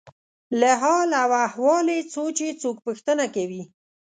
له حال او احوال یې څو چې څوک پوښتنه کوي.